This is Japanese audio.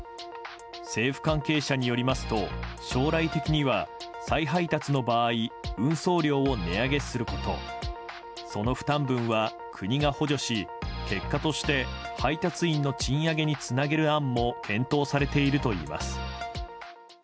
政府関係者によりますと将来的には、再配達の場合運送料を値上げすることその負担分は国が補助し結果として配達員の賃上げにつなげる案も検討されているといいます。